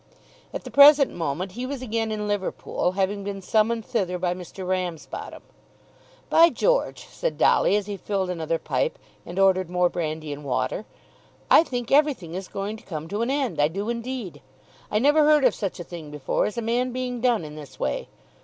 At the present moment he was again in Liverpool, having been summoned thither by Mr. Ramsbottom. "By George," said Dolly, as he filled another pipe and ordered more brandy and water, "I think everything is going to come to an end. I do indeed. I never heard of such a thing before as a man being done in this way.